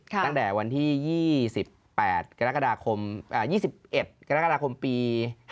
ตั้งแต่วันที่๒๑กรกฎาคมปี๕๘